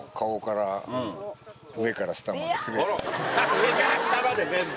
上から下まで全部。